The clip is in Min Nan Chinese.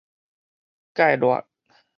芥辣